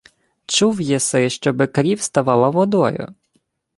— Чув єси, щоби крів ставала водою?